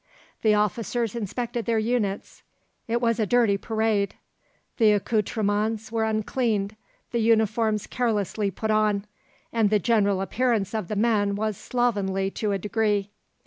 The officers inspected their units. It was a dirty parade; the accoutrements were uncleaned, the uniforms carelessly put on, and the general appearance of the men was slovenly to a degree.